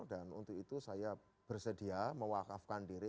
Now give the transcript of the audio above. dan untuk itu saya bersedia mewakafkan diri